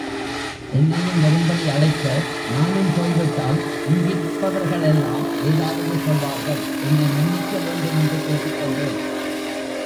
என்னையும் வரும்படி அழைக்க, நானும் போய்விட்டால் இங்கிருப்பவர்களெல்லாம் ஏதாவது சொல்வார்கள், என்னை மன்னிக்க வேண்டுமென்று கேட்டுக் கொண்டேன்.